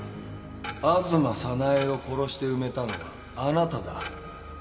吾妻早苗を殺して埋めたのはあなただ。